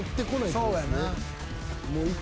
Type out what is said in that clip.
そうやな。